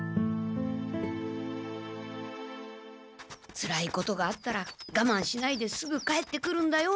「つらいことがあったらがまんしないですぐ帰ってくるんだよ」